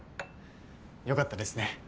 良かったですね。